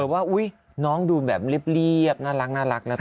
ว่าน้องดูแบบเรียบน่ารัก